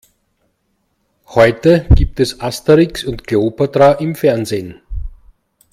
Heute gibt es Asterix und Kleopatra im Fernsehen.